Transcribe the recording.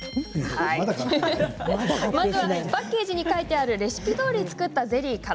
まずは、パッケージに書いてあるレシピどおり作ったゼリーから。